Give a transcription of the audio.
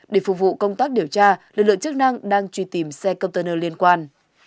để phục vụ công tác điều tra lực lượng chức năng đang truy tìm xe container liên quan